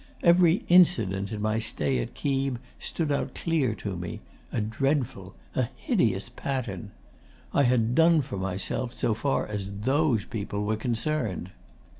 Every incident in my stay at Keeb stood out clear to me; a dreadful, a hideous pattern. I had done for myself, so far as THOSE people were concerned.